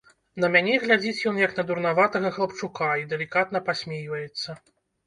На мяне глядзіць ён, як на дурнаватага хлапчука, і далікатна пасмейваецца.